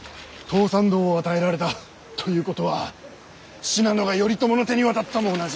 東山道を与えられたということは信濃が頼朝の手に渡ったも同じ。